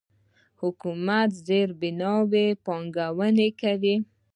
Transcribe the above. حکومت په زیربناوو پانګونه کوي.